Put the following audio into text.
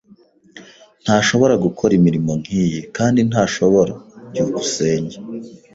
Ntashobora gukora imirimo nkiyi, kandi ntashobora. byukusenge